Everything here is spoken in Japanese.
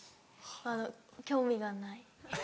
あの興味がない。